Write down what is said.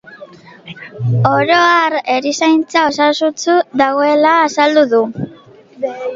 Oro har, erizaintza osasuntsu dagoela azaldu du.